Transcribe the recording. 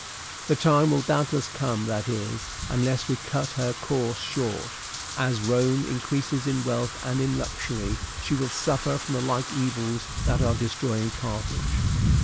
The time will doubtless come that is, unless we cut her course short that as Rome increases in wealth and in luxury she will suffer from the like evils that are destroying Carthage.